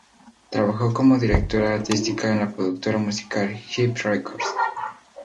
Trabajó como directora artística en la productora musical Jive Records.